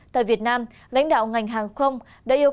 tại việt nam lãnh đạo ngành hàng không đã yêu cầu